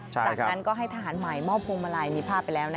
จากนั้นก็ให้ทหารใหม่มอบพวงมาลัยมีภาพไปแล้ว